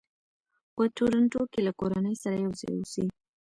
په ټورنټو کې له کورنۍ سره یو ځای اوسي.